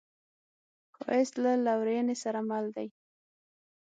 ښایست له لورینې سره مل دی